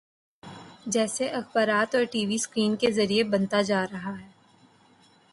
جسے اخبارات اور ٹی وی سکرین کے ذریعے بانٹا جا رہا ہے۔